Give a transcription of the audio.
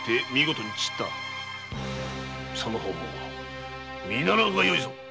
その方も見習うがよいぞ